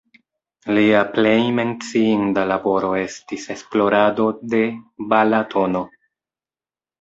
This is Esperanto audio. Lia plej menciinda laboro estis esplorado de Balatono.